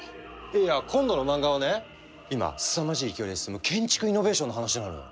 いや今度の漫画はね今すさまじい勢いで進む建築イノベーションの話なのよ。